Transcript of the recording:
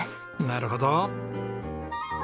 なるほど。